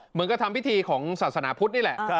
เหมือนกับทำพิธีของศาสนาพุทธนี่แหละ